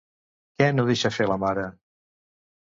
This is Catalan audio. Què no deixa de fer, la mare?